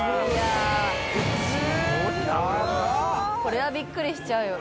これはびっくりしちゃうよ